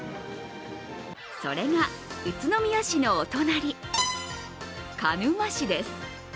それが宇都宮市のお隣、鹿沼市です。